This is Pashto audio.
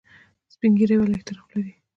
سپین ږیری ولې احترام لري؟